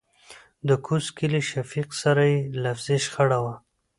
دکوز کلي شفيق سره يې لفظي شخړه وه .